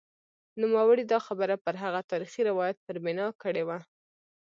نوموړي دا خبره پر هغه تاریخي روایت پر بنا کړې وه.